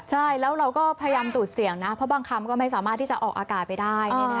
ใช่แล้วเราก็พยายามดูดเสียงนะเพราะบางคำก็ไม่สามารถที่จะออกอากาศไปได้